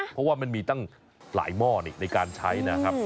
เพราะว่ามันมีตั้งหลายหม้อนี่ในการใช้นะครับ